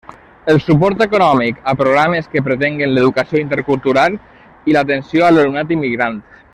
El suport econòmic a programes que pretenguen l'educació intercultural i l'atenció a l'alumnat immigrant.